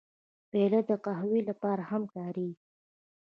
پیاله د قهوې لپاره هم کارېږي.